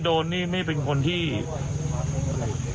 โทรศัพที่ถ่ายคลิปสุดท้าย